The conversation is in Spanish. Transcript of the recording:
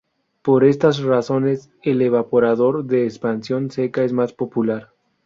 Por estas razones el evaporador de expansión seca es el más popular.